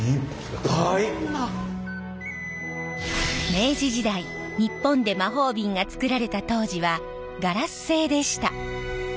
明治時代日本で魔法瓶がつくられた当時はガラス製でした。